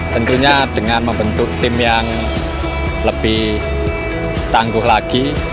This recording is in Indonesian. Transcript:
tentunya dengan membentuk tim yang lebih tangguh lagi